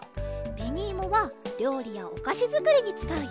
べにいもはりょうりやおかしづくりにつかうよ。